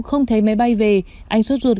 không thấy máy bay về anh xuất ruột